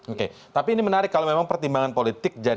oke tapi ini menarik kalau memang pertimbangan politik